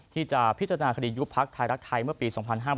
ที่จะพิจารณาคดียุคพรรคไทยลักษณ์ไทยเมื่อปี๒๕๔๙